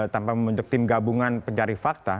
tanpa membentuk tim gabungan pencari fakta